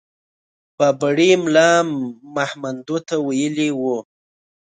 بابړي ملا مهمندو ته ويلي وو.